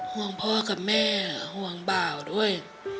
ห่วงพ่อกับแม่ห่วงบ่าวด้วย